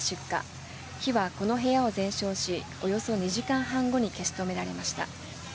火はこの部屋を全焼しおよそ２時間半後に消し止められました。